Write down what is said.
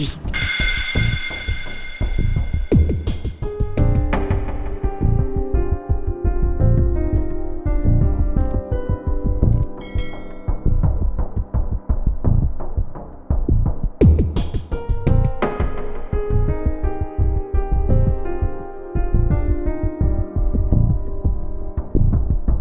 tidak ada apa apa